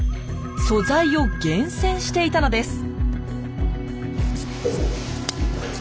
素材を厳選していたのです。